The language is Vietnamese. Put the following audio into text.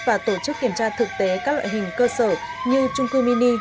và tổ chức kiểm tra thực tế các loại hình cơ sở như trung cư mini